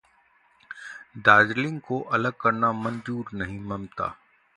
दार्जिलिंग को अलग करना मंजूर नहीं: ममता